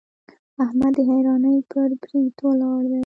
احمد د حيرانۍ پر بريد ولاړ دی.